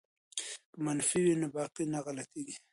که منفي وي نو باقی نه غلطیږي.